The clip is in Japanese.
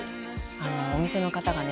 あのお店の方がね